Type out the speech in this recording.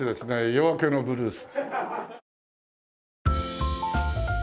『夜明けのブルース』。